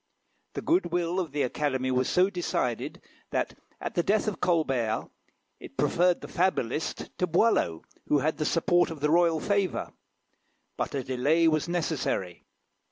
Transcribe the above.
The goodwill of the Academy was so decided, that, at the death of Colbert, it preferred the fabulist to Boileau, who had the support of the royal favour. But a delay was necessary.